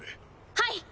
はい！